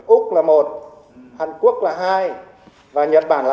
úc là một hàn quốc là hai và nhật bản là